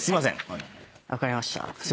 分かりました。